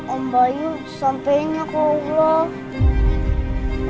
om bayu disampaikan ya ke allah